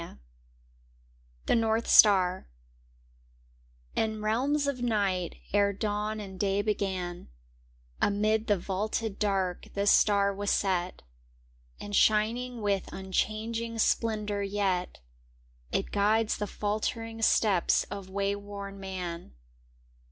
^M 1 Zhc Bortb Star N realms of night, ere dawn and day began, Amid the vaulted dark this star was set, And shining with unchanging splendor yet It guides the faltering steps of wayworn man.